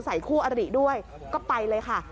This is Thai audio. ใส่คู่อดีทดูไปเลยค่ะ